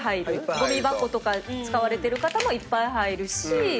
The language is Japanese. ごみ箱とか使われてる方もいっぱい入るし。